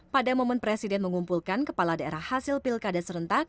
pada momen presiden mengumpulkan kepala daerah hasil pilkada serentak